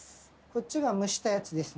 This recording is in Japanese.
こっちが蒸したやつです。